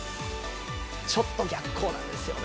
ちょっと逆光なんですよね。